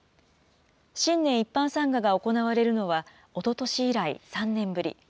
新年一般参賀が行われるのはおととし以来３年ぶり。